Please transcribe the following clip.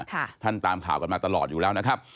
ท่านตามข่าวกันมาตลอดอยู่แล้วนะครับ